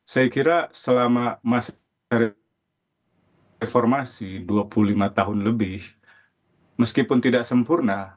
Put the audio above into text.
saya kira selama masa reformasi dua puluh lima tahun lebih meskipun tidak sempurna